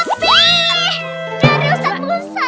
lebih dari ustad musa